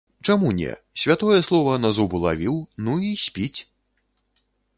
Чаму не, святое слова на зуб улавіў, ну, і спіць.